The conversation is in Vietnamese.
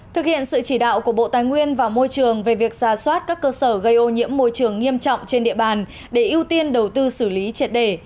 thực hiện sự chỉ đạo của bộ tài nguyên và môi trường về việc ra soát các cơ sở gây ô nhiễm môi trường nghiêm trọng trên địa bàn để ưu tiên đầu tư xử lý triệt đề